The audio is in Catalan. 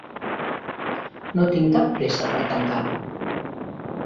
No tinc cap pressa per tancar.